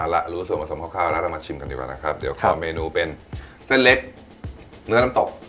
แล้วรู้ส่วนผสมคร่าวแล้วเรามาชิมกันดีกว่านะครับเดี๋ยวขอเมนูเป็นเส้นเล็กเนื้อน้ำตก